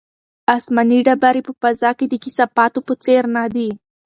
آسماني ډبرې په فضا کې د کثافاتو په څېر نه دي.